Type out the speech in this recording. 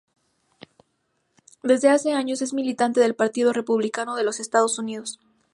Desde hace años es militante del Partido Republicano de los Estados Unidos.